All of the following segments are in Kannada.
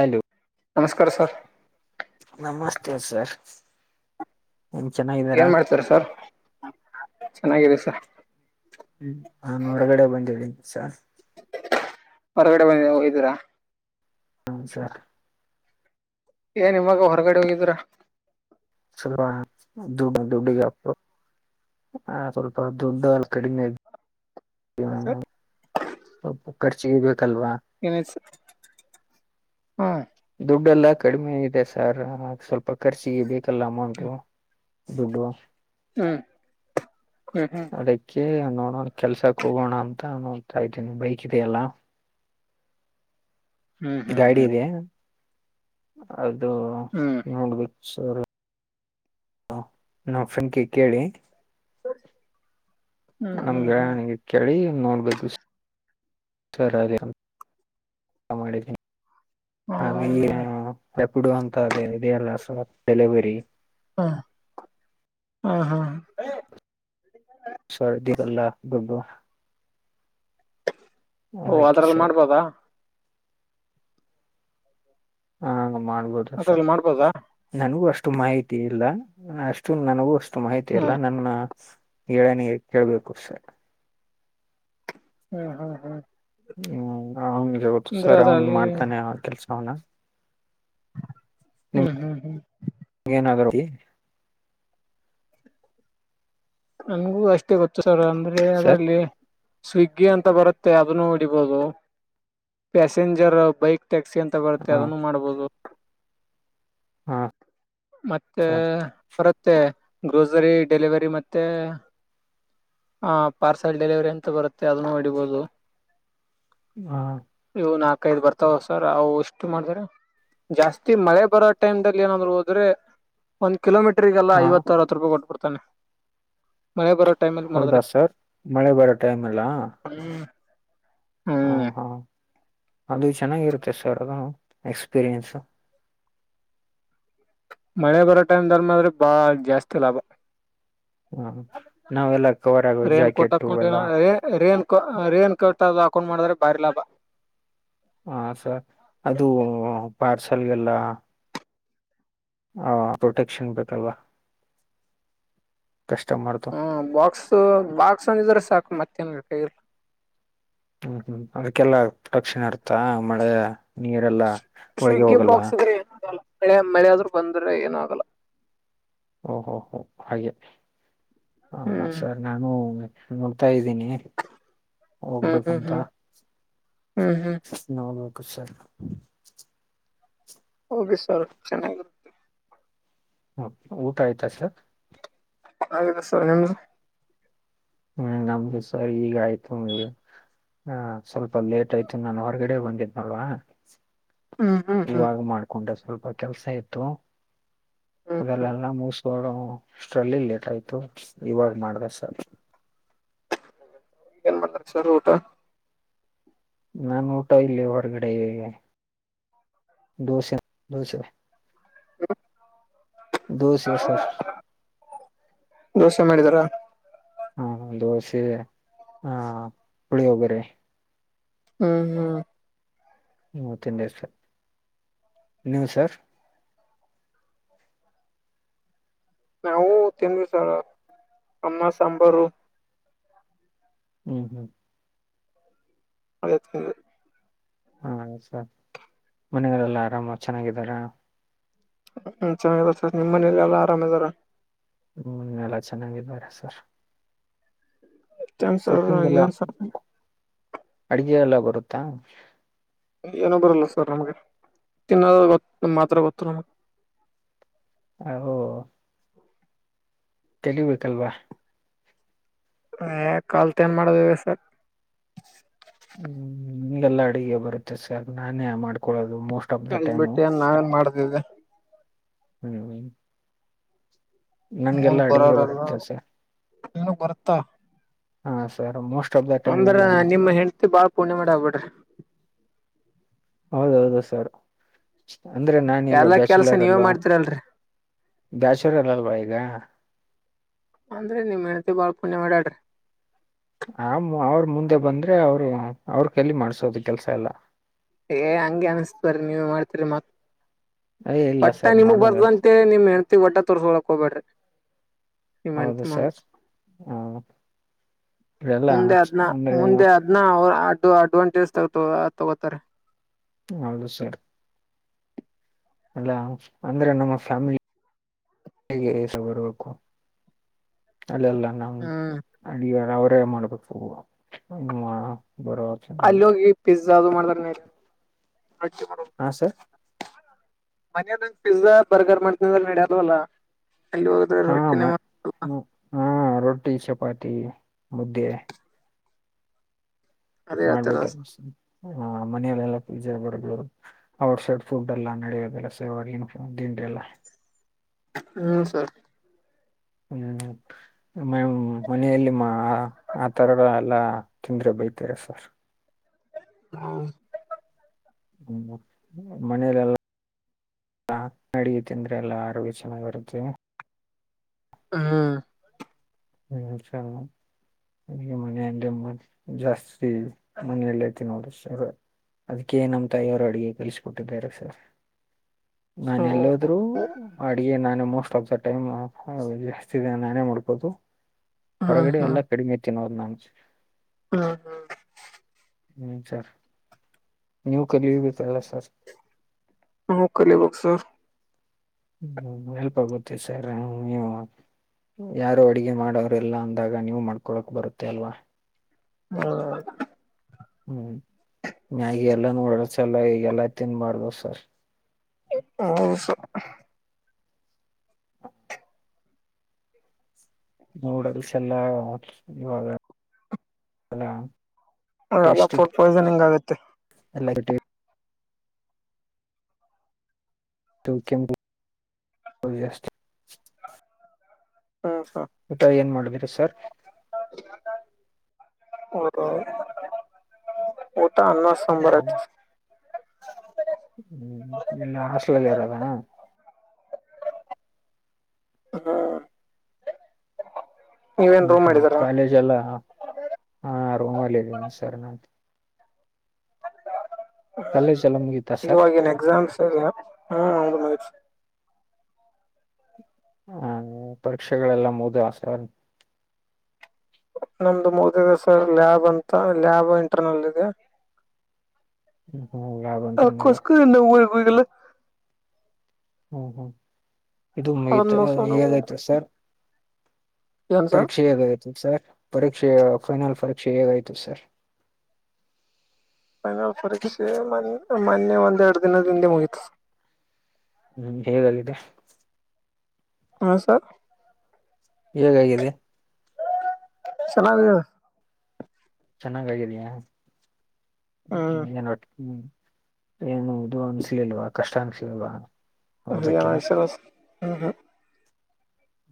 ಆಯದುು ನಮಸ್ಕಾರ ಸರ್ ನಮಸ್ತೆ ಸರ್ ನೀನ್ ಚೆನ್ನಾಗಿದ್ದಾರಾ ಏನ್ ಮಾಡ್ತಾರ ಸರ್ ಚೆನ್ನಾಗಿದೆ ಸ ಹ್ಮ್ ನ ಹೊರಗಡೆ ಸಾ ಹೊರಗಡೆ ಬಂದ ಹಯ್ದೀರಾ ಹ ಸರ ಏನ್ ನಿಮಾಗ ಹೊರಗಡೆ ಹೋಗಿದ್ರ ಸಲ್ [unintelligible] ವ ದೂಡ್ ದದುಡ್ಡಿಗೆ ಹ ಸ್ವಲ್ಪ ದುಡ್ಡು ಕಡಿಮೆ ಆ [inaudible] ಹ ಸರ್ ಸ [inaudible] ಖರ್ಚಿಗೆ ಬೇಕಲ್ವಾ ನಿಮ ಹಾಂ ದುಡ್ಡೆಲ್ಲ ಕಡಿಮೆ ಇದೆ ಸಾರ್ ಸ್ವಲ್ಪ ಖರ್ಚಿಗೆ ಬೇಕ ಬೇಕಲ್ಲ ಅಮೌಂಟ್ ದುಡ್ಡುವ [unintelligible] ಹ್ಮ್ ಹ್ಮ್ ಹ್ಮ್ ಅದಕ್ಕೆ ನೋಡೋಣ ಕೆಲ್ಸಕ್ ಹೋಗೋಣ ಅಂತ ನೋಡ್ತಾ ಇದ್ದೀನಿ ಬೈಕ್ ಇದೆಯಲ್ಲ ಹ್ಮ್ ಹ್ಮ್ ಹ್ಮ್ ಹ್ಮ್ ಗಾಡಿ ಹ್ಮ್ ಇದೆ ಹೌದು [unintelligible] ಅದು ನೋಡ್ಬೇಕು ಸರಿ ಹ ನಾ ಫ್ರೆಂಡ್ಗೆ ಕೇಳಿ [inaudible] ಹ್ಮ್ ಹ್ಮ್ ಹ್ಮ್ ಹ್ಮ್ ನಮ್ಗೆನಗೆ ಕೇಳಿ ನೋಡ್ಬೇಕು ಸರಿ ಅದ ಮಾಡಿದೆ ಅಲ್ಲಿ ಹ್ಮ್ ಕೊಡುವಂತೇ ಇದೆಯ ಅಲ್ಲ ಸ್ವ ಡೆಲಿವರಿ ಹ್ಮ ಹ್ಮ ಹಾ ಸರ್ದಿ ಕಲ್ಲ [unintelligible] ಓ ಅದ್ರಲ್ಲಿ ಸರ್ ಮಾಡ್ಬೋದಾ ಹಾ ಮಾಡ್ಬೋುದು ಅದ್ರಲ್ಲಿ ಸರ್ ಮಾಡ್ಬೋದಾ ನನಗೂ ಅಷ್ಟ ಷ್ಟ ಮಾಹಿತಿ ಇಲ್ಲ ಅಷ್ಟು ನನಗೂ ಮಾಹಿತಿ ಹ್ಮ್ ಇಲ್ಲಾ ನನ್ನ ಹೇಳನಿ ಕೇಳ್ಬೇಕು ಸರ್ ಹ್ಮ್ ಹ್ಮ್ ಹ್ಮ್ ಹ್ಮ್ ಅವಂಗ ೌದು ಅಂದ್ರೆ ಸರ್ ಅವ್ನ್ ಅದ್ರಲ್ಲಿ ಮಾಡ್ತಾನೆ ಅವ ಕೆಲ್ಸ ಅವನ ಹ್ಮ್ ಹ್ಮ್ ಹ್ಮ್ ಏನ ಅದ್ರಲ್ಲಿ ನನ್ಗೂ ಅಷ್ಟೇ ಗೊತ್ತು ಅಂದ್ರೆ ಸರ್ ಅದರಲ್ಲಿ ಸ್ವಿಗ್ಗಿ ಅಂತ ಬರುತ್ತೆ ಅದನ್ನು ಹೊಡಿಬಹುದು ಪ್ಯಾಸೆಂಜರ್ ಬೈಕ್ ಟ್ಯಾಕ್ಸಿ ಅಂತ ಬರುತ್ತೆ ಹಾ ಅದನ್ನು ಮಾಡ್ಬೋದು ಹಾ ಮತ್ತೆ ಸರ್ ಬರುತ್ತೆ ಗ್ರೋಸರಿ ಡೆಲಿವರಿ ಮತ್ತೆ ಮತ್ತೆ ಹ ಪಾರ್ಸಲ್ ಡೆಲಿವರಿ ಎಂತ ಬರುತ್ತೆ ಅದನ್ನು ಹಡಿಬೋದು ಹಾ ನಾಕೈದು ಬರ್ತಾವ ಸರ್ ಅವು ಎಷ್ಟು ಮಾಡತ್ರ ಜಾಸ್ತಿ ಮಳೆ ಬರೋ ಟೈಮ್ಲ್ಲಿ ಏನಾದ್ರು ಹೋದ್ರೆ ಒ ಕಿಲೋೀಟರ್ರಿಗೆಲ್ಲ ಹಾ ಐವತ್ತರವ ರೂಪ ಕೊಟಬಿಡ್ [inaudible] ಮಳೆ ಬರೋ ಟೈಮ್ ಅಲ್ಲಿ ಮಾಡಿದ್ರೆ ಹೌದಾ ಸರ್ ಮಳೆ ಬರೋ ಟೈಮ್ ಎಲ್ಲ ಹ್ಮ್ ಹ್ಮ್ ಅದು ಚೆನ್ನಾಗಿರುತ್ತೆ ಸರ್ ಅದು ಎಕ್ಸ್ಪೀರಿಯನ್ಸ ಮಳೆ ಬರೋ ಟೈಮ್ ದಲ್ ಮಾತ್ರ್ರೆ ಬಾಳ ಜಾಸ್ತಿ ಲಾಭ ಹ್ಮ ನಾವೆಲ್ಲಾ ಕವರ್ ಆಗದು ಜಾಕೆಟ್ಟು ಎಲ್ಲ ಆ ರೈನ್ಕೋಟ್ ಅದು ಹಾಕೊಂಡ್ ಮಾಡಿದ್ರೆ ಭಾರಿ ಲಾಭ ಹಾ ಸರ ಅದು ಪಾರ್ಸಲ್ಗೆಲ್ಲ ಹ ಪ್ರೊಟೆಕ್ಷನ್ ಬತಲ್ಲ ಹ್ಮ್ ಬಾಕ್ಸ್ ಬಾಕ್ಸ್ ಅಂದ ಇದ್ರ ಸಾಕು ಮತ್ತ ಏನ ಬೇಕಾಗಿಲ್ಲ ಹ್ಮ್ ಹ್ಮ್ ಅದಕ್ಕೆಲ್ಲಾ ತಕ್ಷಿಣ ಅರ್ಥ ಮಳೆ ನೀರೆಲ್ಲಾ ಸ್ವಿಗ್ಗಿ ಬಾಕ್ಸ್ ಇದ್ರೆ ಏನು ಆಗಲ್ಲ ಮಳೆ ಮಳೆ ಆದ್ರರು ಬಂದ್ರೆ ಏನು ಆಗಲ್ಲ ಓಹೋ ಹೋ ಹಾಗೆ ಹೌದ ಹ್ಮ್ ಸರ್ ನಾನು [unintelligible] ನಿ ಹ್ಮ್ ಹ್ಮ್ ಹೋಗ್ಬೇಕಂತ ಹ್ಮ್ ಹ್ಮ್ ಹ್ಮ್ ನೋಡ ಬೇಕ [inaudible] ಹೋಗಿ ಸರ್ ಚೆನ್ನಾಗಿರು ಹ್ಮ ಊಟ ಆಯ್ತಾ ಸರ್ ಆಯ್ತು ಸರ್ ನಿಮ್ದು ಹ್ಮ್ ನಮ್ದು ಸರಿ ಈಗ ಆಯ್ತು ಮ ಆ ಸ್ವಲ್ಪ ಲೇಟ್ ಆಯ್ತು ನಾನು ಹೊರಗಡೆ ಬಂದಿದ್ನಲ್ವಾ ಹ್ಮ್ ಹ್ಮ್ ಹ್ಮ್ ಇವಾಗ ಮಾಡ್ಕೊಂಡೆ ಸ್ವಲ್ಪ ಕೆಲ್ಸ ಇತ್ತು ಹ್ಮ್ ಹ್ಮ್ ಅದಲ್ಲೆಲ್ಲ ಮುಸ್ಕೋ ಅಷ್ಟರಲ್ಲಿ ಲೇಟ್ ಆಯ್ತು ಇವಾಗ ಮಾಡದೇ ಸರ್ ಈಗಏನ್ ಬಂದಾರೆ ಸರ್ ಊಟ ನಾನು ಊಟ ಇಲ್ಲ ಹೊರಗಡೆ ಇ ದೋಸೆ ದೋಸೆ ದೋಸೆ ಸರ್ ದೋಸೆ ಮಾಡಿದಾರ ಹ್ಮ ದೋಸೆ ಹ ಪುಳಿಯೋಗರೆ ಹ್ಮ್ ಹ್ಮ್ ಹ್ಮ್ ತಿಂದೇ ಸರ್ ನೀವು ಸರ್ ನಾವು ತಿಂಡ್ವಿ ಸರ್ ಅನ್ನಾ ಸಾಂಬಾರು ಹ್ಮ್ ಹ್ಮ್ ಆಯ್ತ ಹಾ ಸ ಮನೆಗಳಲ್ಲೆಲ್ಲ ಆರಾಮ ಚೆನ್ನಾಗಿದರ ಹ್ಮ ಚೆನ್ನ ಗಿದರ ನಿಮ್ಮ್ ಮನಲಿಲ್ಲ ಆರಾಮ್ ಇದದಾರ ಹ್ಮ್ ಎಲ್ಲ ಚೆನ್ನಾಗಿದ್ದಾರೆ ಸರ್ ಏನ್ ಸರ್ ಕುಕ್ಕಿಂಗ್ ಎಲ್ಲ ಏನ್ ಸರ್ ಅಡುಗೆ ಎಲ್ಲ ಬರುತ್ತಾ ಏನೋ ಬರಲ್ಲ ಸರ್ ನಮ್ಗೆ ತಿನ್ನದ ಗೊತ್ತುಮ ಮಾತ್ರ ಗೊತ್ತು ನಮ್ಗೆ ಹ ಕಲಿಬೇಕಲ್ವಾ ಏ ಕಲ್ತ್ ಏನ್ ಮಾಡದಿವ ಸರ್ ನಂಗೆಲ್ಲಾ ಅಡುಗೆ ಬರ ಚೆಸ ನಾನೇ ಮಾಡ್ಕೊಳ್ಳೋದು ಮೋಸ್ಟ್ ಆಫ್ ದ ಬಿಟ್ಟ ಟೈಮು ಏನ್ ನಾವ ಏನ್ ಮಾಡ್ ಹದ [unintelligible] ನನ್ಗೆಲ್ಲಾ ಅಡುಗೆ ಬರುತ್ತೆ ಸ ಇನು ಬರ್ತ್ತಾ ಹಾ sir most of the time ಒಂದ್ರ ಎಲ್ಲ ನಿಮ್ಮ ಹೆಂಡ್ತಿ ಬಾಳ ಪೂಣೆ ಮಾಡ ಆಗ್ಬೇಡ್ರಿ ಹೌದೌದು ಸರ್ ಅಂದ್ರೆ ನಾಾನೀಗ ಎಲ್ಲಾ ಕೆಲ್ಸ ಬ್ಯಾಚುಲರ್ ನೀವೇ ಅಲ್ವಾ ಮಾಡ್ತಿರಲ್ರರಿ ಬ್ಯಾಚುಲರ್ ಅಲ್ವಾ ಈಗ ಅಂದ್ರೆ ನಿಮ್ ಹೆೆನತೆ ಬಾಳ್ ಪುಣ್ಯ ಮಾಡ್ಯಾಡ್ರಿ ಆ ಅವ್ರ ಮುಂದೆ ಬಂದ್ರೆ ಅವ್ರು ಅವ್ರ ಕಲ್ಲಿ ಮಾಡ್ಸೋದು ಕೆಲ್ಸ ಎಲ್ಲ ಏ ಹಂಗಗೆ ಅನ್ಸ್ತ ಬ್ರಿ ನೀವ ಮಾಡ್ತರಿ ಮತ್ ಏ ಇಲ್ಲ ವಟ್ಟ ಸರ್ ನಿಮಗ್ ಮಾಡೋದ ಬರ್ದಂತೇಳಿ ನಿಮ್ ಹೆಂಡತಿ ವಟ್ಟ ತೋರ್ಸಕೊಳಕ್ ಹೋಗಬೇಡ್ರಿ ಹೌದು ಸರ್ ಹ ಎಲ್ಲ ಮುಂದೆ ಅದ್ನ ಅಂದ್ರೆ ಮುಂದೆ ಅದನ ಅವರು ಆ ಅದು ಅಡ್ವಾಂಟೇಜ್ ತಗತ ತಗೋತಾರೆ ಹೌದು ಸರ್ ಅಲ್ಲ ಅಂದ್ರೆ ನಮ್ಮ ಫ್ಯಾಮಿಲಿಸ ಬರ್ಬೇಕು ಅಲ್ಲಲ್ಲ ನ ಹ್ಮ್ ಅಡ ಕ ಮಾಡ್ಬೇಕು [unintelligible] ಬರುವ [unintelligible] ಯಾದು ಮಾಡತಾರ ನೀ ಆ ಬರ ಹಾ ಸರ್ ಮನದಂದ ಪಿಜ್ಜಾ ಬರ್ಗರ್ ಮಾಡ್ತನ ನಡದು ಅಲ್ಲಾ ಹಾ ಹಾ ರೊಟ್ಟಿ ಚಪಾತಿ ತಿ ಮಧ್ಯೆ ಅದೇ ಹೇಳ್ತಾರ ಮಾಡ್ಬೇ ಹಾ ಮನೆಯಲೆೆಲ್ಲಾ ಪಿಜಜಾ ಬರ್ ಔಟ್ಸೈಡ್ ಫುಡ್ ಎಲ್ಲ ನಡೆಯೋದೆಲ್ಲ ಸವ ದಂಡ್ರ ಎಲ್ಲ ಹ್ಮ್ ಸರ್ ಹ್ಮ್ ಮ ಮನೆಯಲ್ಲಿ ಆ ತರಗಳು ಎಲ್ಲ ತಂದ್ರೆ ಬೈತಾರೆ ಸರ್ ಹ್ಮ [inaudible] ಹ್ಮ್ ಮನೇಲೆಲ್ಲ ಅಡಿಗೆ ತಿಂದ್ರೆ ಎಲ್ಲಾ ಆರೋಗ್ಯ ಚೆನ್ನಾಗಿರುತ್ತೆ ಹಾ ಹ್ಮ ಸ ಮನಲ್ಲ ಜಾಸ್ತಿ ಮನಲ್ಲೇ ತಿನ್ನೋದು ಸರ್ ಅದಕ್ಕೆೇ ನಮ್ ತಾಯಿಯವರು ಅಡುಗೆ ಕಲಿಸಬಟ್ಟಾರ ಸರ್ ನಾನ ಹ್ಮ್ ಎಲ್ಲದ್ರು ಅಡಿಗೆ ನಾನ ಮೋಸ್ಟ್ ಆಫ್ ದ ಟೈಮ್ ನಾನೇ ಮಾಡ್ಬೋದು ಹೊರಗಡೆ ಎಲ್ಲ ಕಡಿಮೆ ಕೆ ನ ಹ್ಮ ಹಾ ನಿ್ಮ ಸರ್ ನೀವು ಕಲಿಬೇಕಲ್ಲ ಸರ್ ಹಾ ಕಲಿಬೇಕಕ್ ಸರ್ ಹ್ಮ ಹೆಲ್ಪ್ ಆಗುತ್ತೆ ಸರ್ ನೀವು ಯಾರು ಅಡುಗೆ ಮಾಡೋ್ರಲ್ಲ ಅಂದಾಗ ನೀವು ಮಾಡ್ಕೊಳಕ್ ಬರುತ್ತೆ ಅಲ್ವಾ ಹ್ಮ ಹ್ಮ್ ಮಾಗಿಿ ಎಲ್ಲ ನೋಡಸ ಎಲ್ಲ ಈ ಎಲ್ಲಾ ತಿಿಂದಬಾರ್ದ ಸರ್ ಹೌ ಸ ನೂಡಲ್ಸ್ ಎಲ್ಲಾ ಇವಾಗ ಎಲ್ಲ ಟೇಸ್ಟ್ ಫುಡ್ ಪಾಯ್ಸನಿಂಗ್ ಆಗುತ್ತೆ ಎಲ್ಲ ಕೆ ವಸ್ ಹ್ಮ್ ಸರ್ ಆತ್ತ ಏನ್ ಮಾಡಬಿರ ಸರ್ ಹ [unintelligible] ಅಣ ಸಂಂಬರ ಹ್ಮ್ ಇಲ್ಲೇ ಹಾಸ್ಟೆಲ್ ಇರೋದ ಹ್ಮ್ ನೀವೇನ್ ಹ್ಮ್ ರೂಮ್ ಹ್ಮ್ ಮಾಡಿದೀರಾ ಕಾಲೇಜ್ ಎಲ್ಲ ಹಾ ರೂಮಲ್ಲಿ ಸರಿ. ಹ್ಮ ಕಾಲೇಜ್ ಎಲ್ಲ ಮುಗೀತಾ ಸರ್ ಇವಾಗ ಏನ್ ಎಕ್ಸಾಮ್ಸ್ ಸರಿ [unintelligible] ಹ ಹೌದು ಮುಗೀತು. ಹ್ಮ ಪರೀಕ್ಷೆಗಳೆಲ್ಲ ಮುಗಿದು ಹಾಸ್ಟೆಲ್ ನಮ್ದು ಮುಗ್ದಿದೆ ಸರ್ ಲ್ಯಾಬ್ ಅಂತ ಲ್ಯಾಬ್ ಇಂಟರ್ನಲ್ ಇದೆ. ಹ್ಮ್ [inaudible] ಕಸ್ಕೋ ಇಂದ ಊರಿಗೆ ಹೋಗಿಲ್ಲ ಹ್ಮ್ ಹ್ಮ್ ಇದು ಅದನ್ ಮುಗಿತ ಮುಗ್ಸ್ಕೊಂಡ್ ಇನ್ಯಾವುದು ಹೋಗೋಣ ಇತೇ ಸರ್ ಏನ್ ಸರ್ ಪರೀಕ್ಷೆ ಹೇಗಾಯಿತು ಸರ್ ಪರೀ ಮತ್ತೆ ಫೈನಲ್ ಪರೀಕ್ಷೆ ಹೇಗಾಯ್ತು ಸರ್ ಫೈನಲ್ ಪರೀಕ್ಷೆ ಮಾನ ಮೊನ್ನೆ ಒಂದೆರಡು ದಿನದ ಹಿಂದೆ ಮುಗಿತ್ ಹ್ಮ್ ಹೇಗಾಗಿದೆ ಹಾ ಸರ್ ಹೇಗಾಗಿದೆ. ಚೆನ್ನಾಗಿದ್ದಾವೆ. ಚೆನ್ನಾಗ ಆಗಿದೆಯಾ. [unintelligible] ಹ್ಮ್ [unintelligible] ಒಟ್ಟಿ ಹ್ಮ ಏನು ಇದು ಅನ್ಸ್ಲಿಲ್ವಾ ಕಷ್ಟ ಅನ್ಸ್ಲಿಲ್ವಾ ಅದು ಏನು ಓದಕ್ಕೆ ಸರ [unintelligible] ಹಾ ಹಾ [inaudible]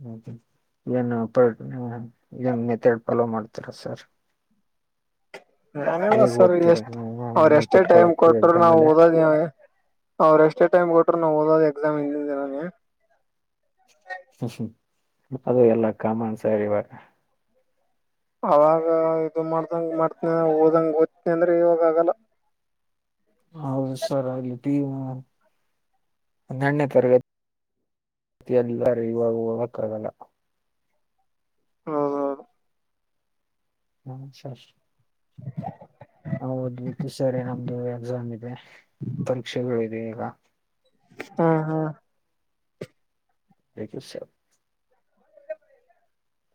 ಹ್ಮ ಏನು ಪಡ್ ಏನ್ [unintelligible] ಪಲೋ ಮಾಡ್ತರ ಸರ್ ಹಂಗಲ್ಲ ಹೇಗ್ ಸರ್ ಓದ್ತೀರ ಎಷ್ಟ್ ನೀವು ಅವ್ರ [unintelligible] ಎಷ್ಟೇ ಟೈಮ್ ನೆನ್ಪಿಟ್ಕೊಳಕ್ಕೆ ಕೊಟ್ರು ಎಕ್ಸಾಮ್ ನಾವು ಅಲ್ಲಿ ಓದಗ ಅವ್ರ ಎಷ್ಟೇ ಟೈಮ್ ಕೊಟ್ಟರು ನಾವು ಓದೋದ ಎಕ್ಸಾಮ್ ಹಿಂದಿನ ದಿನಾನೆ. ಹ್ಮ ಅದು ಎಲ್ಲ ಕಾಮನ್ ಸರ್ ಇವಾಗ ಅವಾಗ ಇದು ಮಾಡ್ದಂಗ ಮಾಡ್ತನಿ [unintelligible] ಓದಂಗ ಓದ್ತನಿ ಅಂದ್ರೆ ಇವಾಗ ಆಗಲ್ಲ. ಹೌದು ಸರ್ ಟೀಮ್ ಹನ್ನೆರಡನೇ ತರಗತಿ ಎಲ್ಲರೂ [unintelligible] ಇವಾಗ ಹೋಗಕ್ಕ ಆಗಲ್ಲ. ಹಾ ಹಾ ಹ ಸರ್ ಹೌದ್ ಸರಿ [unintelligible] ಎಕ್ಸಾಮ್ ಇದೆ. ಪರೀಕ್ಷೆಗೆ [unintelligible] ಈಗ [unintelligible] ಹಾ ಹಾ [unintelligible]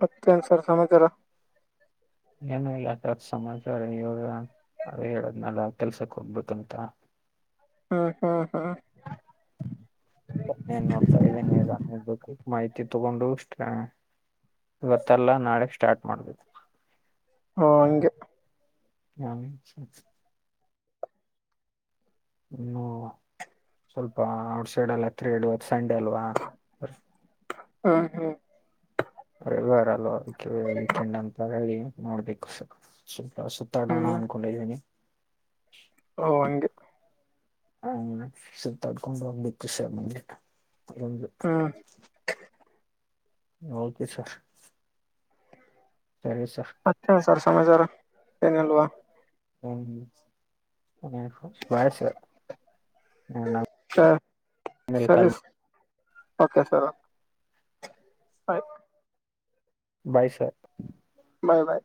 ಮತ್ತೇನ್ ಸರ್ ಸಮಾಚಾರ. ಏನು [unintelligible] ಸಮಾಚಾರ ಇವಾಗ ಅದೇ ಹೇಳದನಲ್ಲ ಕೆಲ್ಸಕ್ ಹೋಗ್ಬೇಕಂತ. ಹ್ಮ ಹ್ಮ ಹಾ [unintelligible] ಏನ್ ನೋಡ್ತಾ ಇದ್ದೇನೆ ಈಗ ನೋಡ್ಬೇಕು ಮಾಹಿತಿ ತಗೊಂಡು ಹ ಇವತ್ತಲ್ಲ ನಾಳೆ ಸ್ಟಾರ್ಟ್ ಮಾಡ್ ಹು ಅಂಗೆ ಹ್ಮ [unintelligible] [unintelligible] ಸಂಡೆ ಅಲ್ವಾ [unintelligible] ಬರ್ ಹ್ಮ ಹ್ಮ್ [unintelligible] ಅಲ್ವಾ ಕೆ [unintelligible] ವೀಕೆಂಡ್ ಅಂತ ಹೇಳಿ ನೋಡ್ಬೇಕು [unintelligible] ಸುತಡನ [unintelligible] ಹ್ಮ್ ಅನ್ಕೊಂಡಿದಿನಿ ಓ ಹಂಗೆ ಹ ಸುತ್ತಾಡ್ಕೊಂಡು ಹೋಗ್ಬೇಕುಷಂದ [unintelligible] ಒಂದು [unintelligible] ಹ್ಮ್ ಓಕೆ ಸರ್ ಸರಿ ಸರ್ [unintelligible] ಸಮಚಾರ ಏನ್ ಇಲ್ವಾ ಹ [unintelligible] ಸರಿ [unintelligible] ಓಕೆ ಸರ್ ಆಯ್ [inaudible] ಬಯ್ ಸರ್ ಬಾಯ್ ಬಾಯ್